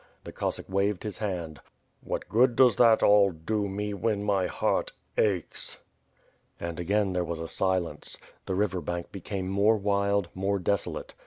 The Cossack waved his hand. 'T^at good does that all do me, when my heart aehes?" And again, there was a silence. The river bank became more wild, more desolate.